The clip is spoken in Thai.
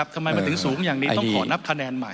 ทำไมมันถึงสูงอย่างนี้ต้องขอนับคะแนนใหม่